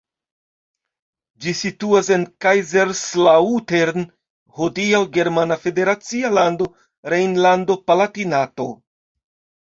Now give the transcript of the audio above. Ĝi situas en Kaiserslautern, hodiaŭ germana federacia lando Rejnlando-Palatinato.